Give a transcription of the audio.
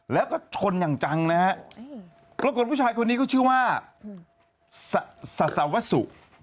แล้วก็ชนอย่างจังนะฮะปรากฏผู้ชายคนนี้ก็ชื่อว่าศาสวสุ